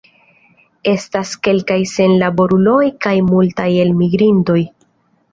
Estas kelkaj senlaboruloj kaj multaj elmigrintoj.